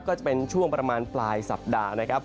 ก็จะเป็นช่วงประมาณปลายสัปดาห์นะครับ